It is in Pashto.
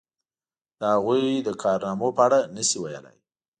د هغوی د کارنامو په اړه نشي ویلای.